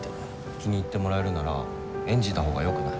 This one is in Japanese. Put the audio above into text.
気に入ってもらえるなら演じたほうがよくない？